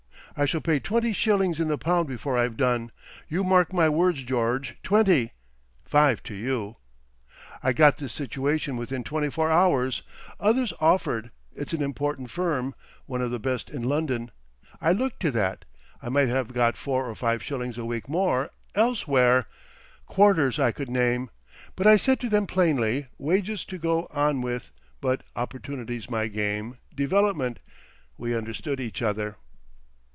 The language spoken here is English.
I shall pay twenty shillings in the pound before I've done—you mark my words, George,—twenty—five to you.... I got this situation within twenty four hours—others offered. It's an important firm—one of the best in London. I looked to that. I might have got four or five shillings a week more—elsewhere. Quarters I could name. But I said to them plainly, wages to go on with, but opportunity's my game—development. We understood each other."